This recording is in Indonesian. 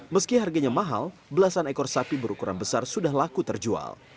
meski harganya mahal belasan ekor sapi berukuran besar sudah laku terjual